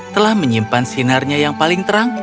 telah menyimpan sinarnya yang paling terang